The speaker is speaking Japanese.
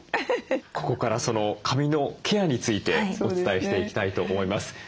ここからその髪のケアについてお伝えしていきたいと思います。